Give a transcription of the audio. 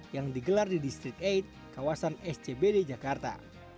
yang digelar di distrik delapan kawasan scbd jakarta